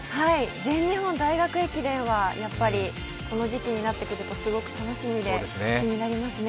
全日本大学駅伝はこの時期になってくるとすごく楽しみで気になりますね。